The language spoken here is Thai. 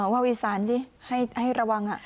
ว่าอีสานสิให้ระวัง